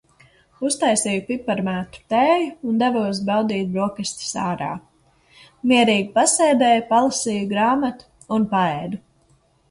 Uztaisīju piparmētru tēju un devos baudīt brokastis ārā. Mierīgi pasēdēju, palasīju grāmatu un paēdu.